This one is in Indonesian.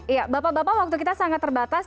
iya bapak bapak waktu kita sangat terbatas